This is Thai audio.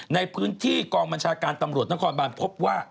ในพื้นที่กองบัญชาการตำรวจนครบานพบว่า